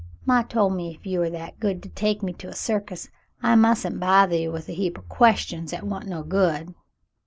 "Maw told me if you war that good to take me to a circus, I mustn't bothah you with a heap o' questions 'at wa'n't no good."